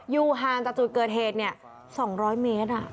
อยู่ห่างจากจุดเกิดเหตุเนี่ย๒๐๐เมตรอ่ะ